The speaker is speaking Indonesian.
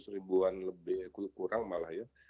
rp seratus an kurang malah ya